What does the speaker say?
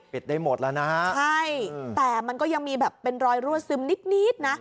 ได้หมดแล้วนะฮะใช่แต่มันก็ยังมีแบบเป็นรอยรั่วซึมนิดนิดนะ